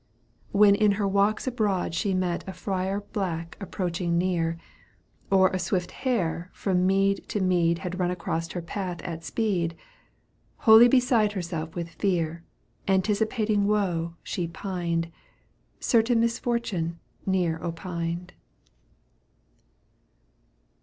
; When in her walks abroad she met A friar black approaching near,^ Or a swift hare from mead to mead Had run across her path at speed. Wholly beside herself with fear. Anticipating woe she pined. Certain misfortune near opined.